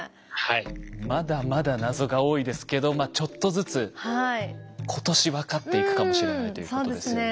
まだまだ謎が多いですけどちょっとずつ今年分かっていくかもしれないということですよね。